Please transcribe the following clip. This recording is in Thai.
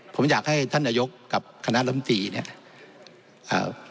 ผมอยากให้ท่านอายกกับคณะรัฐบนตรีเนี่ย